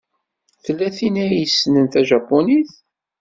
Tella tin ay yessnen tajapunit?